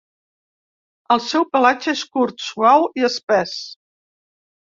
El seu pelatge és curt, suau i espès.